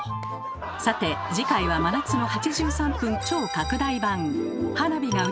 さて次回は「真夏の８３分超拡大版」！